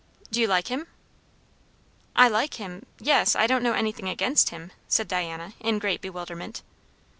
"Do you like him?" "I like him, yes, I don't know anything against him," said Diana in great bewilderment.